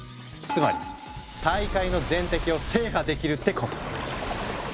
つまり大海の全滴を制覇できるってこと。